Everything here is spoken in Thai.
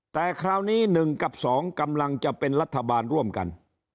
แต่คราวนี้๑กับ๒กำลังจะเป็นรัฐบาลร่วมกัน